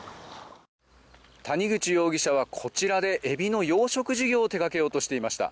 谷口容疑者はこちらでエビの養殖事業を手がけようとしていました。